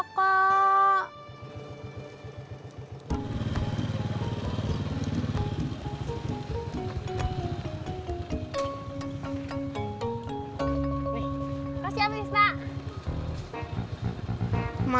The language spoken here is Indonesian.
kakak pur kakaknya